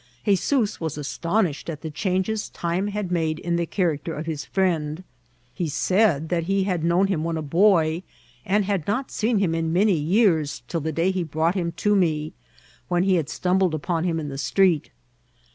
'Hezoos was astonished at the dwnges time had made in the character of his firiend. He said that he had known him when a boy, and had not seen him in many years till the day he brought him to me, when he had stumbled upon him in the street.